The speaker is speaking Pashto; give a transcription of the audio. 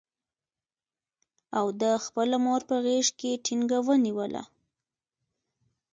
او ده خپله مور په غېږ کې ټینګه ونیوله.